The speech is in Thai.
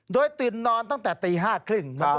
โดยตื่นนอนตั้งแต่ตี๕๓๐